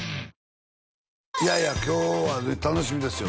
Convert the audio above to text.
いやいや今日は楽しみですよ